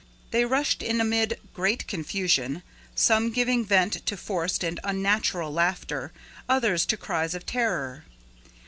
They rushed in amid great confusion, some giving vent to forced and unnatural laughter, others to cries of terror.